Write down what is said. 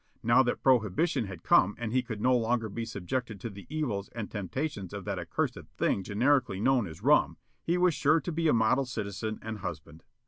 Now that prohibition had come and he could no longer be subjected to the evils and temptations of that accursed thing generically known as rum, he was sure to be a model citizen and husband.